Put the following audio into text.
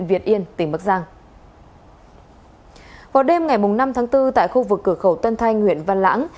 vào đêm ngày năm tháng bốn tại khu vực cửa khẩu tân thanh huyện văn lãng